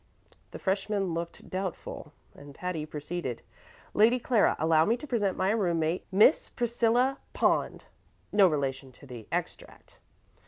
The freshman looked doubtful, and Patty proceeded: "Lady Clara, allow me to present my room mate Miss Priscilla Pond no relation to the extract.